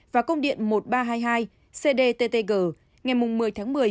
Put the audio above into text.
và công điện một nghìn ba trăm hai mươi hai cdttg ngày một mươi tháng một mươi